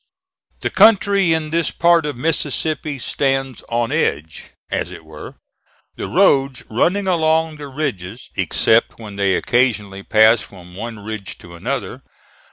The country in this part of Mississippi stands on edge, as it were, the roads running along the ridges except when they occasionally pass from one ridge to another.